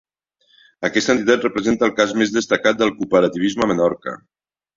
Aquesta entitat representa el cas més destacat del cooperativisme a Menorca.